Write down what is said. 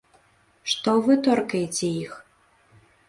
Што вы торкаеце іх?